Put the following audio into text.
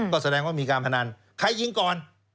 ก็แสดงว่ามีการพนันใครยิงก่อน